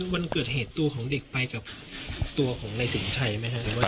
วันเกิดเหตุตัวของเด็กไปกับตัวของนายสินชัยไหมครับ